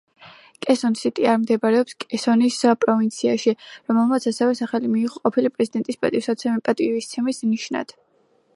კესონ-სიტი არ მდებარეობს კესონის პროვინციაში, რომელმაც ასევე სახელი მიიღო ყოფილი პრეზიდენტის პატივისცემის ნიშნად.